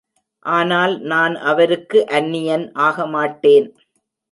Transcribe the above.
ஆனால் நான் அவருக்கு அன்னியன் ஆகமாட்டேன்.